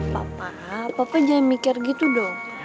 papa papa jadi mikir gitu dong